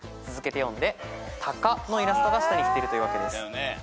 続けて読んで「たか」のイラストが下にきてるというわけです。